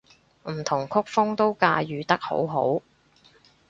唔同曲風都駕馭得好好